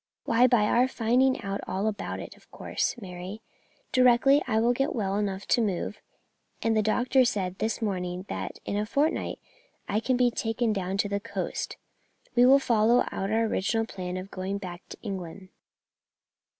"Why, by our finding out all about it, of course, Mary. Directly I get well enough to move and the doctor said this morning that in a fortnight I can be taken down to the coast we will follow out our original plan of going back to England.